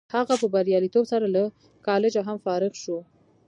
هغه په بریالیتوب سره له کالجه هم فارغ شو